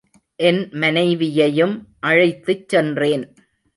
என் மனைவியையும் அழைத்துச் சென்றேன்.